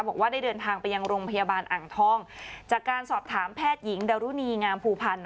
บอกว่าได้เดินทางไปยังโรงพยาบาลอ่างทองจากการสอบถามแพทย์หญิงดรุณีงามภูพันธ์